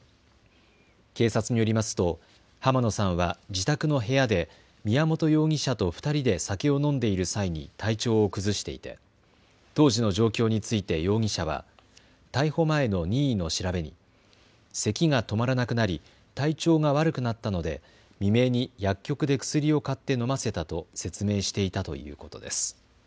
警察によりますと濱野さんは自宅の部屋で宮本容疑者と２人で酒を飲んでいる際に体調を崩していて当時の状況について容疑者は逮捕前の任意の調べにせきが止まらなくなり体調が悪くなったので未明に薬局で薬を買って飲ませたと説明していたということです。